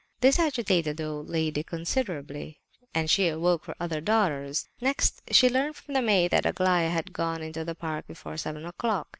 This agitated the old lady considerably; and she awoke her other daughters. Next, she learned from the maid that Aglaya had gone into the park before seven o'clock.